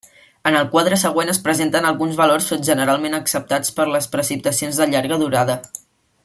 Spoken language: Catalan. En el quadre següent es presenten alguns valors generalment acceptats per precipitacions de llarga durada.